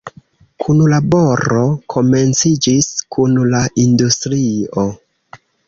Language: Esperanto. Kunlaboro komenciĝis kun la industrio.